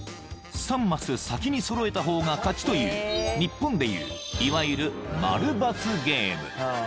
［３ます先に揃えた方が勝ちという日本でいういわゆる○×ゲーム］